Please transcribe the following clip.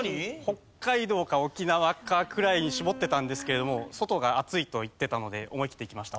北海道か沖縄かくらいに絞ってたんですけれども外が暑いと言ってたので思い切っていきました。